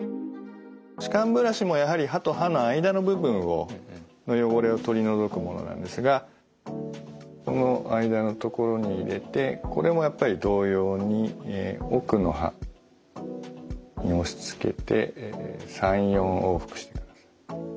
歯間ブラシもやはり歯と歯の間の部分の汚れを取り除くものなんですがこの間の所に入れてこれもやっぱり同様に奥の歯に押しつけて３４往復し。